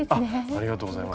ありがとうございます。